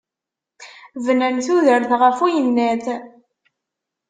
Bnan tudert γef uyennat.